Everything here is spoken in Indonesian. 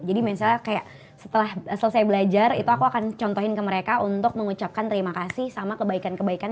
jadi misalnya kayak setelah selesai belajar itu aku akan contohin ke mereka untuk mengucapkan terima kasih sama kebaikan kebaikan mereka